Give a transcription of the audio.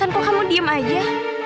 san kok kamu diem aja